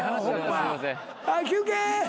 はい休憩。